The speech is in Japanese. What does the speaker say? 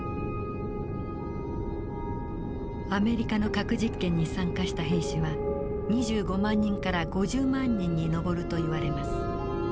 アメリカの核実験に参加した兵士は２５万人から５０万人に上るといわれます。